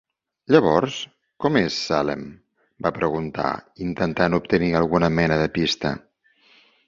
"Llavors, com és Salem?" va preguntar, intentant obtenir alguna mena de pista.